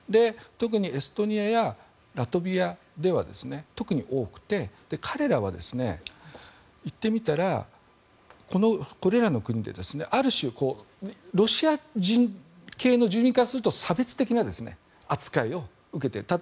エストニアやラトビアでは特に多くて彼らは言ってみたらこれらの国である種ロシア人系の住民からすると差別的な扱いを受けていた。